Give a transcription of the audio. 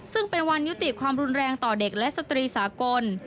ซึ่งเป็นวันยุติความรุนแรงต่อเด็กและสตรีสากล